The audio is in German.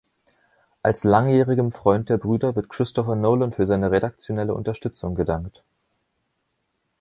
Als langjährigem Freund der Brüder, wird Christopher Nolan für seine „redaktionelle Unterstützung“ gedankt.